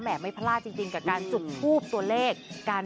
ไม่พลาดจริงกับการจุดทูบตัวเลข